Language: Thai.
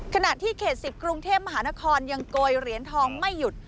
ขณะที่เขต๑๐กรุงเทพมหานครยังโกยเหรียญทองไม่หยุด